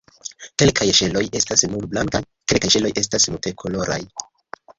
Kelkaj ŝeloj estas nur blankaj, kelkaj ŝeloj estas multkoloraj.